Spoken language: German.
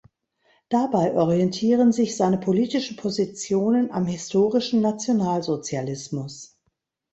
Dabei orientieren sich seine politischen Positionen am historischen Nationalsozialismus.